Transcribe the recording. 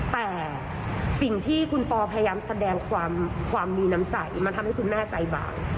แต่สิ่งที่คุณปอพยายามแสดงความมีน้ำใจมันทำให้คุณแม่ใจบาป